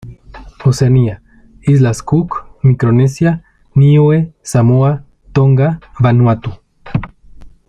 Oceanía: Islas Cook, Micronesia, Niue, Samoa, Tonga, Vanuatu.